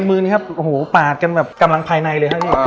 มือผ่านกำลังภายในเลยครับ